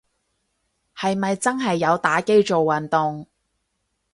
係咪真係有打機做運動